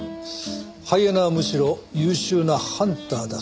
ハイエナはむしろ優秀なハンターだそうだぞ。